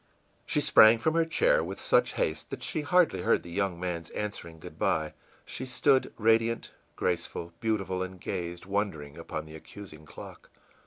î She sprang from her chair with such haste that she hardly heard the young man's answering good by. She stood radiant, graceful, beautiful, and gazed, wondering, upon the accusing clock.